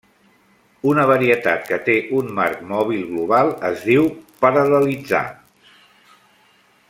Una varietat que té un marc mòbil global es diu paral·lelitzar.